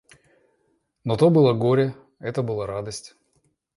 Но то было горе, — это была радость.